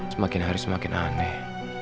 semakin hari semakin aneh